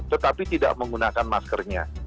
tetapi tidak menggunakan maskernya